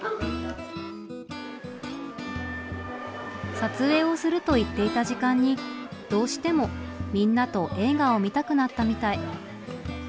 撮影をすると言っていた時間にどうしてもみんなと映画を見たくなったみたい。